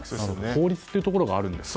法律というところがあるんですね。